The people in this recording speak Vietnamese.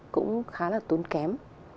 cũng khá là tốn kém